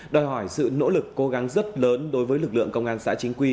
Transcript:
đòi hỏi sự nỗ lực cố gắng rất lớn đối với lực lượng công an xã chính quy